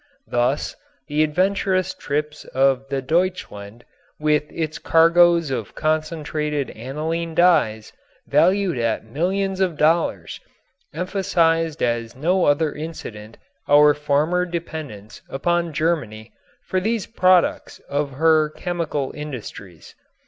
Thus, the adventurous trips of the Deutschland with its cargoes of concentrated aniline dyes, valued at millions of dollars, emphasized as no other incident our former dependence upon Germany for these products of her chemical industries.